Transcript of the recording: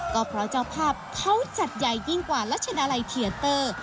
ก็เพราะเจ้าภาพเขาจัดใหญ่ยิ่งกว่ารัชดาลัยเทียเตอร์